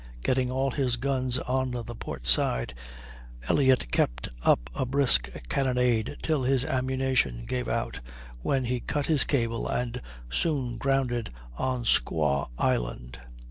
Getting all his guns on the port side, Elliott kept up a brisk cannonade till his ammunition gave out, when he cut his cable and soon grounded on Squaw Island.